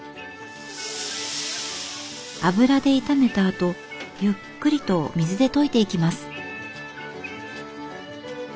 油で炒めたあとゆっくりと水で溶いていきます。